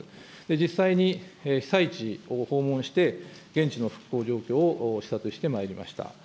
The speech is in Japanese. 実際に被災地を訪問して、現地の復興状況を視察してまいりました。